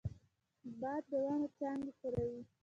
باد د ونو څانګې ښوروي